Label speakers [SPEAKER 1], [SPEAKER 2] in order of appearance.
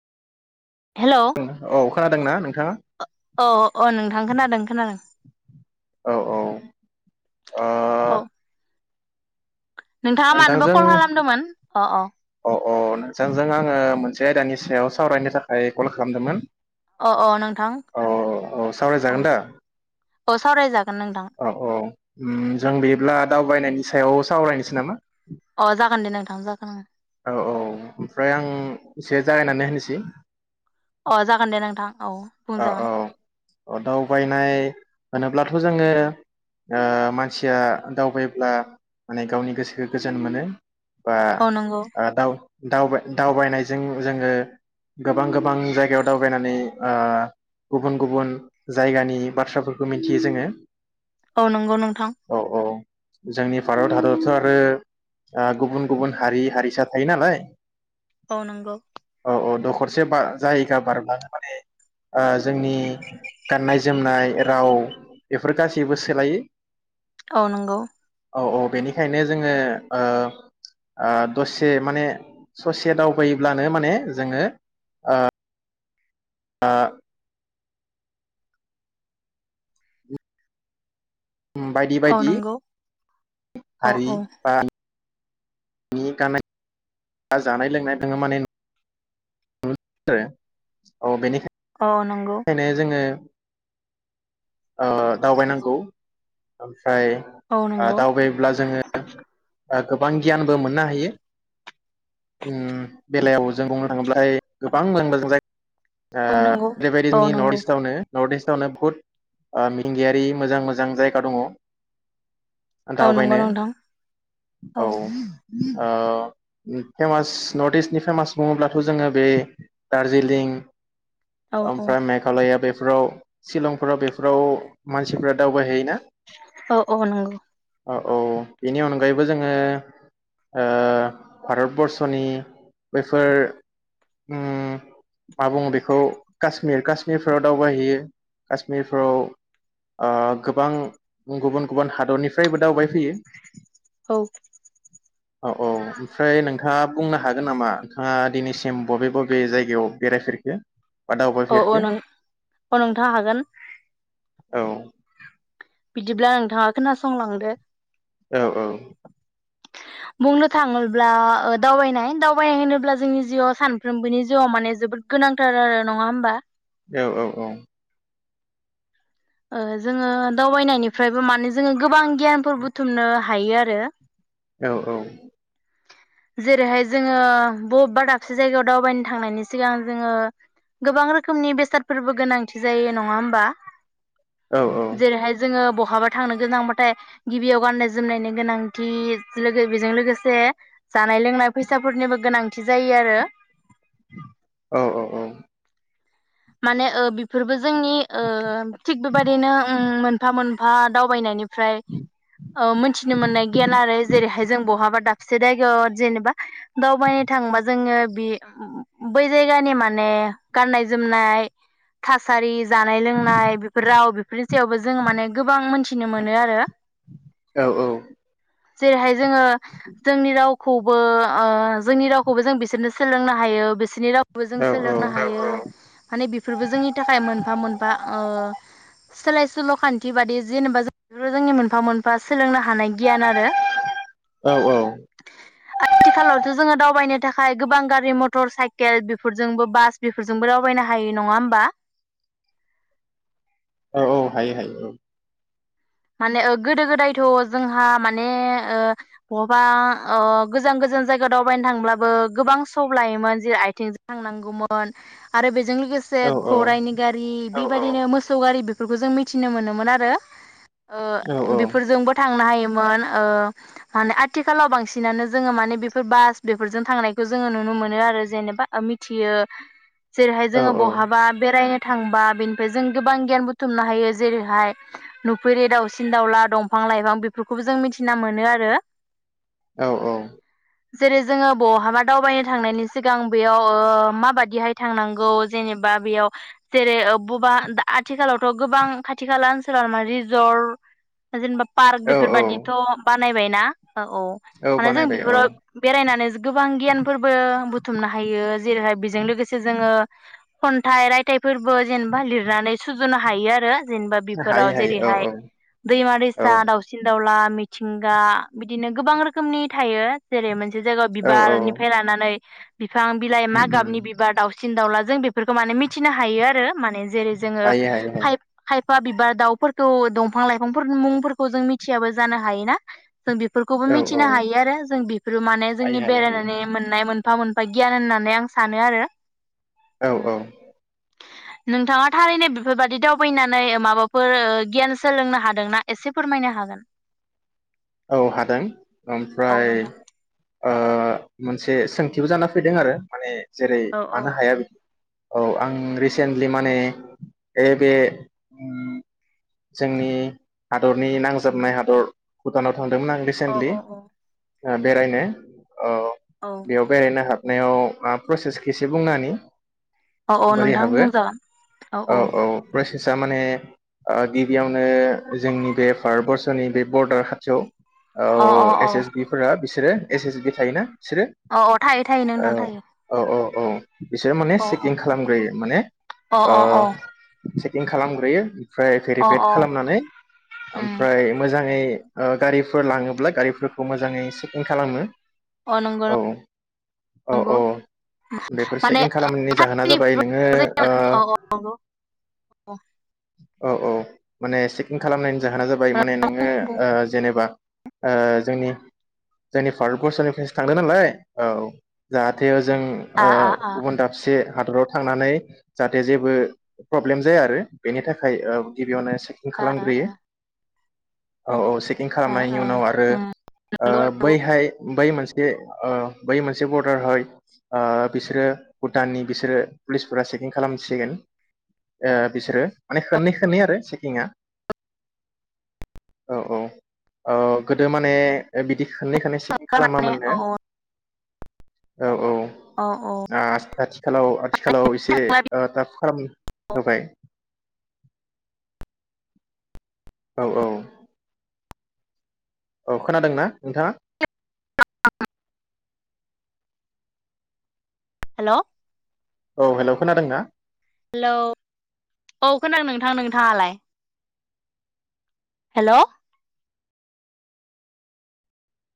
[SPEAKER 1] Hello
[SPEAKER 2] औ खोनादोंना नोंथाङा
[SPEAKER 1] अ अ नोंथां खोनादों खोनादों
[SPEAKER 2] औ औ ओ
[SPEAKER 1] औ नोंथाङा मानोबा
[SPEAKER 2] नोंथांजों
[SPEAKER 1] कल खालामदोंमोन? अ अ
[SPEAKER 2] अ नोंथांजों आङो मोनसे आयदानि सायाव सावरायनो थाखाय कल खालामदोंमोन।
[SPEAKER 1] अ अ नोंथां
[SPEAKER 2] औ औ
[SPEAKER 1] अ
[SPEAKER 2] सावरायजागोन दा
[SPEAKER 1] औ सावरायजागोन नोंथां।
[SPEAKER 2] औ औ उम जों बिदिब्ला दावबायनायनि सायाव सावरायनोसै नामा?
[SPEAKER 1] अ जागोन दे नोंथां जागोन ओं।
[SPEAKER 2] औ औ ओमफ्राय आं एसे जागायनानै होनोसै।
[SPEAKER 1] अ जागोन दे नोंथां। औ
[SPEAKER 2] औ
[SPEAKER 1] बुंजागोन
[SPEAKER 2] औ दावबायनाय होनोब्लाथ' थ' जोङो मानसिया दावबायब्ला माने गावनि गोसोखौ गोजोन मोनो। बा
[SPEAKER 1] औ नंगौ
[SPEAKER 2] आ दाउ दावबाय दावबायनायजों जोङो गोबां गोबां जायगायाव दावबायनानै ओ गुबुन गुबुन जायगानि बाथ्राफोरखौ मिथियो जोङो।
[SPEAKER 1] औ नंगौ नोंथां।
[SPEAKER 2] औ औ जोंनि भारत हादरावथ' आरो ओ गुबुन गुबुन हारि हारिसा थायो नालाय।
[SPEAKER 1] औ नंगौ।
[SPEAKER 2] अ दखरसे बा जायगा बारबानो माने ओ जोंनि गाननाय जोमनाय राव बेफोर गासैबो सोलायो।
[SPEAKER 1] औ नंगौ।
[SPEAKER 2] औ औ बेनिखायनो जोङो ओ दसे माने ससे दावबायोब्लानो माने जोङो ओ [inaudible] [unintelligible] बायदि
[SPEAKER 1] औ
[SPEAKER 2] बायदि
[SPEAKER 1] नंगौ औ
[SPEAKER 2] हारि
[SPEAKER 1] औ
[SPEAKER 2] बा नि गाननाय बा जानाय लोंनाय दोङो माने [unintelligible] औ बेनिखायनो
[SPEAKER 1] औ नंगौ
[SPEAKER 2] खायनो जोङो ओ दावबायनांगौ। ओमफ्राय
[SPEAKER 1] औ
[SPEAKER 2] ओ
[SPEAKER 1] नंगौ
[SPEAKER 2] दावबायोब्ला जोङो गोबां गियानबो मोननो हायो। उम। बेलायाव जों बुंनो थाङोब्ला गोबां लांदा जाय
[SPEAKER 1] औ
[SPEAKER 2] ओ
[SPEAKER 1] नंगौ
[SPEAKER 2] बेबायदि
[SPEAKER 1] औ
[SPEAKER 2] नि
[SPEAKER 1] नंगौ
[SPEAKER 2] नर्थ-इस्टआवनो नर्थ-इस्ट आवनो बुहुत मिथिंगायारि मोजां मोजां जायगा दङ।
[SPEAKER 1] औ नंगौ
[SPEAKER 2] दावबायनो
[SPEAKER 1] नोंथां
[SPEAKER 2] औ। ओ फेमास नर्थ-इस्टनि फेमास बुङोब्लाथ' जोङो बे दार्जिलिं
[SPEAKER 1] औ
[SPEAKER 2] ओमफ्राय
[SPEAKER 1] औ
[SPEAKER 2] मेघालया बे फोराव शिलंफोराव बेफोराव मानसिफ्रा दावबायहैयोना।
[SPEAKER 1] औ औ नंगौ
[SPEAKER 2] अ औ बेनि अनगायैबो जोङो ओ भारत बरर्स'नि बैफोर उम मा बुङो बेखौ? काश्मिर काश्मिरफ्राव दावबायहैयो काश्मिरफ्राव ओ गोबां गुबुन गुबुन हादरनिफ्रायबो दावबाय फैयो
[SPEAKER 1] औ
[SPEAKER 2] ओ-औ ओमफ्राय नों थाङा बुंनो हागोन नामा नोंथाङा दिनैसेम बबे बबे जायगायाव बेरायफेरखो बा
[SPEAKER 1] अ औ
[SPEAKER 2] दावबायफेरखो
[SPEAKER 1] नों अ नोंथां हागोन
[SPEAKER 2] औ
[SPEAKER 1] बिदिब्ला नोंथाङा खोनासंलांदो
[SPEAKER 2] औ औ
[SPEAKER 1] बुंनो थाङोब्ला ओ दावबायनाय दावबायनाय होनोब्ला जोंनि जिउआ खानफ्रोमबोनि जिउआ माने जोबोद गोनांथार आरो नङा होमबा
[SPEAKER 2] औ-औ-औ
[SPEAKER 1] ओ जोङो दावबायनायनिफ्रायबो माने जोङो गोबां गियानफोर बुथुमनो हायो आरो
[SPEAKER 2] औ औ
[SPEAKER 1] जेरैहाय जोङो बबेबा दाबसे जायगायाव दावबायनो थांनायनि सिगां जोङो गोबां रोखोमनि बेसादफोरबो गोनांथि जायो नङा होमबा
[SPEAKER 2] औ
[SPEAKER 1] जेरैहाय जोङो ब हाबा थांनो गोनांबाथाय गिबियाव गाननाय जोमनायनि गोनांथि जेरै बेजों लोगोसे जानाय लोंनाय फैसाफोरनिबो गोनांथि जायो आरो
[SPEAKER 2] औ औ औ
[SPEAKER 1] माने ओ बेफोरबो जोंनि ओ थिग बेबायदिनो ओम मोनफा मोन फा दावबायनायनि फ्राय ओ मोनथिनो मोननाय गियान आरो जेरैहाय जों बहाबा दा बसे जायगायाव जेनेबा दावबायनो थांबा जोङो बि उम बै जायगानि माने गाननाय जोमनाय थासारि जानाय लोंनाय बेफोर राव बेफ फोरनि सायावबो जों माने गोबां मोनथिनो मोनो आरो
[SPEAKER 2] औ औ
[SPEAKER 1] जेरहाय जोङो जोंनि राव खौबो ओ जोंनि रावखौबो जों बिसोरनो सोलोंनो हायो बिसोरनि राव खौबो जों सोलोंनो हायो माने बेफोरबो जोंनि थाखाय मोनफा मोनफा ओ सोलाय सोल' खान्थि बादि जेनेबा जों बेफोरो जोंनि मोनफा मोनफा सोलोंनो हा हानाय गियान आरो
[SPEAKER 2] औ
[SPEAKER 1] आथिखालावथ' जोङो दावबायनो थाखाय गोबां गारि मटर साइकेल बेफोरजोंबो बास बेफोर जोंबो दावबायनो हायो नङा होमबा
[SPEAKER 2] औ हायो हायो औ
[SPEAKER 1] माने ओ गोदो गोदायथ' जोंहा माने ओ बहाबा ओ गोजान गोजान जायगा दावबायनो थांब्लाबो गोबां सम लायोमोन जेरै आथिंजों थांनांगौमोन आरो बे जों लोगोसे
[SPEAKER 2] औ
[SPEAKER 1] गराइनि गारि बेबायदिनो मोसौ गारि बेफोरखौ जों मिथिनो मोनोमोन आरो ओ
[SPEAKER 2] औ
[SPEAKER 1] बेफोरजोंबो थांनो हायो मोन ओ माने आथिखालाव बांसिनानो जोङो माने बेफोर बास बेफोरजों थांनायखौ जोङो नुनो मोनो आरो जेनेबा ओ मिथियो जेरैहाय
[SPEAKER 2] औ
[SPEAKER 1] जोङो बहाबा बेरायनो [inaudible] थांबा बेनिफ्राय जों गोबां गियान बुथुमनो हायो जेरैहाय थुफेरि दाउसिन दाउला दंफां लाइफां बेफोरखौबो जों मिथिना मोनो आरो
[SPEAKER 2] औ औ
[SPEAKER 1] जेरै जोङो बहाबा दावबायनो थांनायनि सिगां बेयाव माबाददिहाय थांनांगौ जेनेबा बेयाव जेरै बबा आथिखालावथ' गोबां खाथि खाला ओनसोलाव माने जर [inaudible] जेनेबा पार्क
[SPEAKER 2] औ
[SPEAKER 1] बेफोरबादिथ' ब [inaudible] नायबायना? औ औ
[SPEAKER 2] औ
[SPEAKER 1] माने जों
[SPEAKER 2] बानायबाय औ
[SPEAKER 1] बेफोराव बेरायनानै गोबां गियानफोरबो बु बुथुमनो हायो जेरैहाय बेजों लोगोसे जोङो खन्थाइ रायथाइफोरबो जेनेबा लिरनानै सुजुनो हायो आरो। जेनेबा बेफोराव
[SPEAKER 2] हायो हायो
[SPEAKER 1] जेरैहाय
[SPEAKER 2] औ
[SPEAKER 1] दैमा
[SPEAKER 2] औ
[SPEAKER 1] दैसा दाउसिन दाउला मिथिंगा बिदिनो गोबां रोखोमनि थायो जेरै मोनसे मोनसे जायगायाव
[SPEAKER 2] औ औ
[SPEAKER 1] बिबारनिफ्राय लानानै बिफां बिलाइ
[SPEAKER 2] उम
[SPEAKER 1] मा
[SPEAKER 2] उम
[SPEAKER 1] गाबनि बिबार दावउसिन सिन दाउला जों बेफोरखौ माने मिथिनो हायो आरो माने जेरै जोङो
[SPEAKER 2] हायो हायो
[SPEAKER 1] फाइब
[SPEAKER 2] हायो
[SPEAKER 1] फाइब बिफा बिबार दाउफोरखौ दंफां लाइफांफोर मुंफोरखौ जों मिथियाबो जानो हायोना जों बेफोरखौबो
[SPEAKER 2] औ
[SPEAKER 1] मिथिनो
[SPEAKER 2] औ
[SPEAKER 1] हायो आरो जों बेफोरो माने
[SPEAKER 2] हायो
[SPEAKER 1] जोंनि
[SPEAKER 2] हायो
[SPEAKER 1] बेरायनानै मोननाय मोन मोनफा मोनफा गियान होननानै आं सानो आरो।
[SPEAKER 2] औ औ
[SPEAKER 1] नोंथाङा थारैनो बेफोरबायदि दावबायनानै माबाफोर गियान सोलोंनो हादोंना एसे फोरमायनो हागोन
[SPEAKER 2] औ हादों ओमफ्राय
[SPEAKER 1] औ नोंथां
[SPEAKER 2] ओ मोनसे सोंथिबो जाना फैदों आरो माने जेरै
[SPEAKER 1] औ
[SPEAKER 2] मानो हाया बिदि औ आं रिसेन्टलि माने बे बे जोंनि हादरनि नांजाबनाय हादर भुतानाव थांदोंमोन आं
[SPEAKER 1] औ
[SPEAKER 2] रिसेन्टलि। ओ बेरायनो औ
[SPEAKER 1] औ
[SPEAKER 2] बेयाव बेरायनो हागोन नायाव प्रसेसखौसे बुंनानै
[SPEAKER 1] औ औ नोंथां मोजां औ औ।
[SPEAKER 2] सा माने गिबियावनो जोंनि बे भारतबर्सनि बे बरडार खाथियाव
[SPEAKER 1] अ अ
[SPEAKER 2] औ
[SPEAKER 1] अ
[SPEAKER 2] एस एस बि फोरा बिसोरो एस एस बि थायोना। बिसोरो
[SPEAKER 1] अ अ थायो थायो नोंथां थायो
[SPEAKER 2] औ औ औ औ। बिसोरो माने
[SPEAKER 1] अ
[SPEAKER 2] चेकिं खालामग्रोयो माने
[SPEAKER 1] अ
[SPEAKER 2] ओ
[SPEAKER 1] अ
[SPEAKER 2] सेकिं खालामग्रोयो। ओमफ्राय
[SPEAKER 1] अ
[SPEAKER 2] भेरिफेट
[SPEAKER 1] अ
[SPEAKER 2] खालामनानै
[SPEAKER 1] उम
[SPEAKER 2] ओमफ्राय मोजाङै गारिफोर लाङोब्ला गारिफोरखौ मोजाङै चेकिं खालामो‌।
[SPEAKER 1] अ नंगौ
[SPEAKER 2] औ औ औ
[SPEAKER 1] नंगौ
[SPEAKER 2] बेफोर
[SPEAKER 1] माने
[SPEAKER 2] चेकिं खालामनायनि जाहोना जाबाय नोङो ओ
[SPEAKER 1] औ नंगौ औ
[SPEAKER 2] औ औ माने चेकिं खालामनायनि जाहोना जाबाय माने नोङो
[SPEAKER 1] बुं
[SPEAKER 2] ओ ओ जेनेबा जोंनि भारतबर्सनिफ्रायसो थांदों नालाय औ जाहाथे जों
[SPEAKER 1] आ
[SPEAKER 2] ओ
[SPEAKER 1] आ आ
[SPEAKER 2] गुबुन दाबसे हादराव थांनानै जाहाथे जेबो प्रब्लेम जाया आरो बेनि थाखाय गिबियावनो सेकिं
[SPEAKER 1] आ
[SPEAKER 2] खालामग्रोयो। औ औ से किं
[SPEAKER 1] आ
[SPEAKER 2] खालामनायनि
[SPEAKER 1] आ
[SPEAKER 2] उनाव आरो
[SPEAKER 1] उम
[SPEAKER 2] ओ
[SPEAKER 1] नंगौ नंगौ
[SPEAKER 2] बैहाय बै मोन से ओ बै मोनसे बर्डार है ओ बिसोरो भुटाननि बिसोरो पुलिसफोरा चेकिं खालामसिगोन ओ बिसोरो माने खनै खनै आरो चेकिंआ। औ औ गोदो माने बिदि खनै खनै सेकिं
[SPEAKER 1] माने औ
[SPEAKER 2] खालामामोननो। औ औ
[SPEAKER 1] औ औ
[SPEAKER 2] आ आथिखालाव आथिखालाव एसे
[SPEAKER 1] हेल'
[SPEAKER 2] थाब खालाम होबाय। औ औ औ खोनादोंना नोंथाङा?
[SPEAKER 1] [inaudible] हेलौ
[SPEAKER 2] औ हेल' खोनादों ना?
[SPEAKER 1] हेलौ औ खोनादों नोंथां नोंथाङालाय हेलौ।